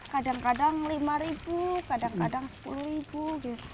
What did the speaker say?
kadang kadang lima ribu kadang kadang sepuluh ribu